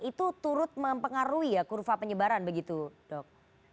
itu turut mempengaruhi ya kurva penyebaran begitu dok